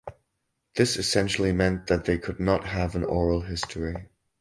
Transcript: This essentially meant that they could not have an oral history.